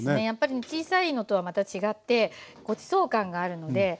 やっぱり小さいのとはまた違ってごちそう感があるので。